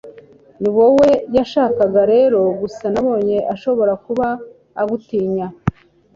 ni wowe yashakaga rero gusa nabonye ashobora kuba agutinya